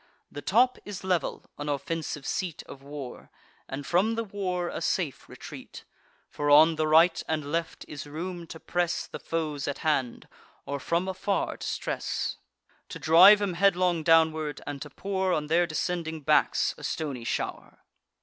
The top is level, an offensive seat Of war; and from the war a safe retreat: For, on the right and left, is room to press The foes at hand, or from afar distress; To drive 'em headlong downward, and to pour On their descending backs a stony show'r.